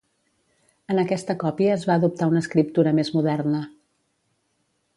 En aquesta còpia es va adoptar una escriptura més moderna.